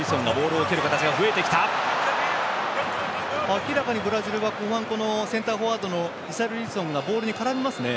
明らかにブラジルが後半、センターフォワードのリシャルリソンがボールに絡みますね。